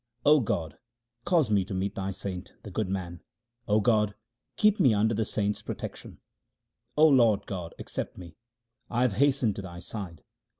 O God, cause me to meet Thy saint, the good man ; O God, keep me under the saint's protection ! O Lord God, accept me ; I have hastened to Thy side.